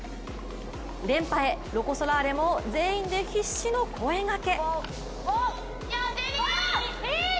連覇へロコ・ソラーレも全員で必死の声がけ。